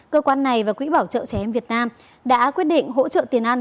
cơ quan này và quỹ bảo trợ trẻ em việt nam đã quyết định hỗ trợ tiền ăn